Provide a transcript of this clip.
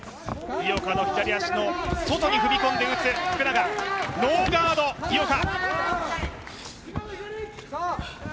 井岡の左足の外に踏み込んで打つ福永、ノーガード、井岡。